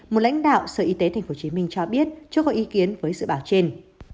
một lãnh đạo sở y tế tp hcm cho biết chưa có ý kiến với dự báo trên